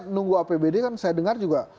nunggu apbd kan saya dengar juga